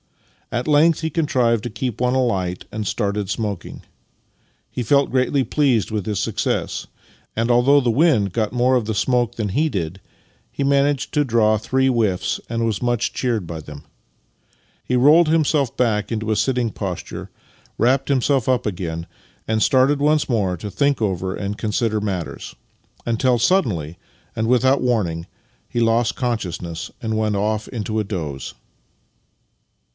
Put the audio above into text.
At length he contrived to keep one alight, and started smoking. He felt greatly pleased with his success, and although the wind got more of the smoke than he did, he managed to draw three whiffs, and was much cheered by them. He rolled himself back into a sitting posture, v/rapped himself up again, and started once more to think over and consider matters; until suddenly, and without warning, he lost con sciousness and went off into a doze.